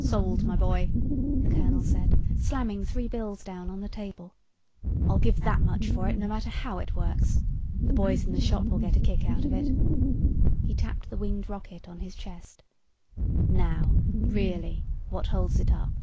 "Sold, my boy!" the colonel said, slamming three bills down on the table. "I'll give that much for it no matter how it works. The boys in the shop will get a kick out of it," he tapped the winged rocket on his chest. "Now really what holds it up?"